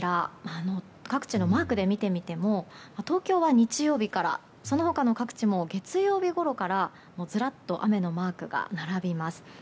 各地のマークで見てみても東京は日曜日からその他の各地も月曜日ごろからずらっと雨のマークが並びます。